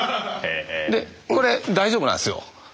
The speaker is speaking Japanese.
これ大丈夫なんですよ。